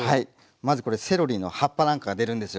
まずこれセロリの葉っぱなんかが出るんですよ